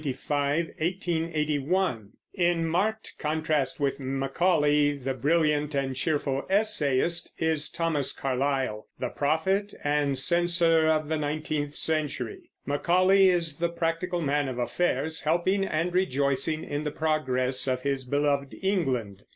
THOMAS CARLYLE (1795 1881) In marked contrast with Macaulay, the brilliant and cheerful essayist, is Thomas Carlyle, the prophet and censor of the nineteenth century. Macaulay is the practical man of affairs, helping and rejoicing in the progress of his beloved England.